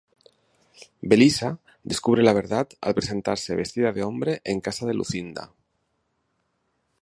Belisa descubre la verdad al presentarse vestida de hombre en casa de Lucinda.